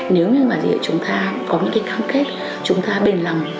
nếu như mà chúng ta có những cái cam kết chúng ta bền lòng